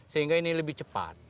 sehingga ini lebih cepat